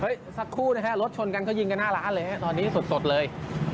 สักครู่นะฮะรถชนกันเขายิงกันหน้าร้านเลยฮะตอนนี้สดเลย